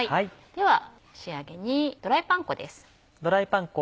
では仕上げにドライパン粉です。